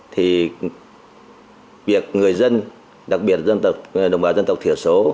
thì việc người dân đặc biệt đồng bào dân tộc thiểu số